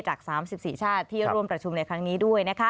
จาก๓๔ชาติที่ร่วมประชุมในครั้งนี้ด้วย